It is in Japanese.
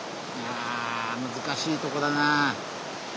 あ難しいとこだな。